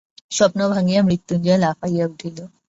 স্বপ্ন ভাঙিয়া মৃত্যুঞ্জয় লাফাইয়া উঠিল।